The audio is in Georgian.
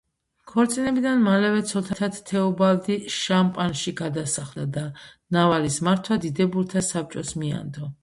ქორწინებიდან მალევე ცოლთან ერთად თეობალდი შამპანში გადასახლდა და ნავარის მართვა დიდებულთა საბჭოს მიანდო.